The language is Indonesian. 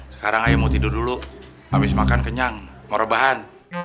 sekarang ayo mau tidur dulu abis makan kenyang mau rebahan